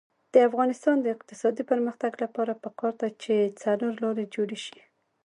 د افغانستان د اقتصادي پرمختګ لپاره پکار ده چې څلورلارې جوړې شي.